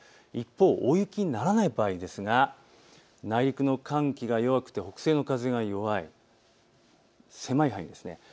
一方、大雪にならない場合ですが内陸の寒気が弱くて北西の風が弱い、狭い範囲です。